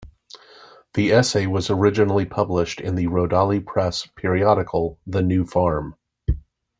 The essay was originally published in the Rodale Press periodical "The New Farm".